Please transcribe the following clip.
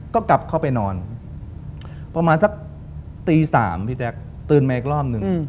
ก็กลับเข้าไปนอนประมาณสักตี๓พี่แจ๊คตื่นมาอีกรอบหนึ่ง